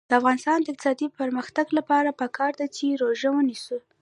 د افغانستان د اقتصادي پرمختګ لپاره پکار ده چې روژه ونیسو.